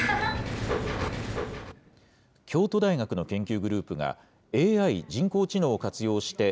京都大学の研究グループが、ＡＩ・人工知能を活用して、